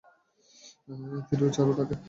থিরু, ছাড়ো তাকে।